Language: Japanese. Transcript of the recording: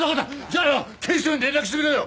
じゃあよ警視庁に連絡してくれよ。